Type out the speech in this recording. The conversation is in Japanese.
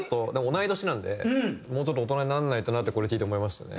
同い年なのでもうちょっと大人にならないとなってこれ聴いて思いましたね。